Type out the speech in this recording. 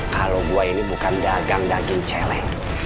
kalau buaya ini bukan dagang daging celeng